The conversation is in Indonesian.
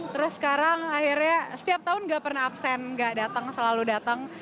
terus sekarang akhirnya setiap tahun gak pernah absen gak datang selalu datang